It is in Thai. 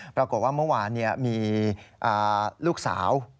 ปรากฏว่าเมื่อวานมีลูกสาว